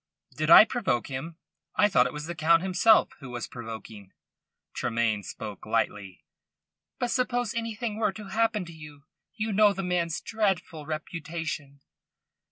"Did I provoke him? I thought it was the Count himself who was provoking." Tremayne spoke lightly. "But suppose anything were to happen to you? You know the man's dreadful reputation."